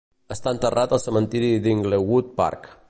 Està enterrat al cementiri d'Inglewood Park.